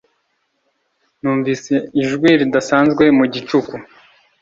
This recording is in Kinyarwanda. Numvise ijwi ridasanzwe mu gicuku